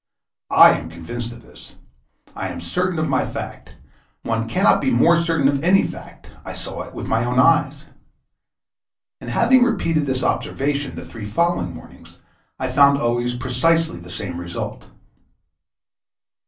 I am convinced of this. I am certain of my fact. One cannot be more certain of any fact. I saw it with my own eyes. And, having repeated this observation the three following mornings, I found always precisely the same result.